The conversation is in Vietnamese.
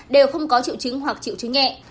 đều không có triệu chứng hoặc triệu chứng nhẹ